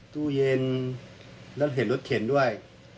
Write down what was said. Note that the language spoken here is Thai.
ตู้เย็นแล้วเห็นรถเข็นด้วย